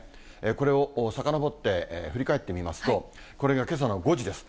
これをさかのぼって振り返ってみますと、これがけさの５時です。